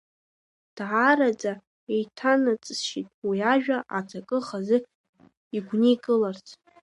Даараӡа, еиҭанаҵысшьит уи ажәа аҵакы хазы игәникыларц.